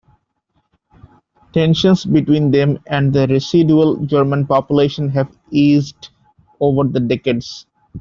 Tensions between them and the residual German population have eased over the decades.